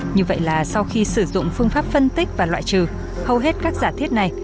như vậy là sau khi sử dụng phương pháp phân tích và loại trừ hầu hết các giả thiết này